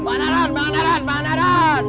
banaran banaran banaran